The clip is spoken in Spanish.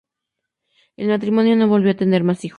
El matrimonio no volvió a tener más hijos.